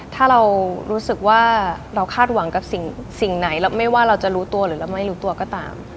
ถ้าเรารู้สึกว่าเราคาดหวังกับสิ่งไหนไม่ว่าเราจะรู้ตัวหรือเราไม่รู้ตัวก็ตาม